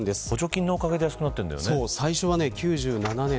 補助金のおかげで安くなってるんでね。